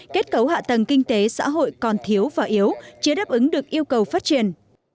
kết cấu hạ tầng kinh tế xã hội còn thiếu và yếu chưa đáp ứng được yêu cầu phát triển